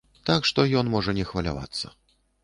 Так што ён можа не хвалявацца.